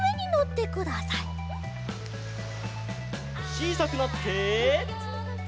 ちいさくなって。